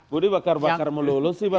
budi bakar bakar mau lulus sih